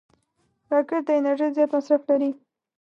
راکټ د انرژۍ زیات مصرف لري